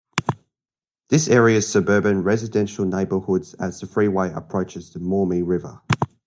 This area is suburban residential neighborhoods as the freeway approaches the Maumee River.